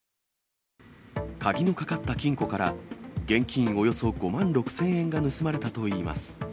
鍵のかかった金庫から、現金およそ５万６０００円が盗まれたといいます。